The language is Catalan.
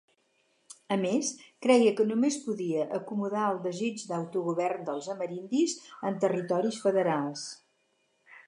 A més, creia que només podia acomodar el desig d'autogovern dels amerindis en territoris federals.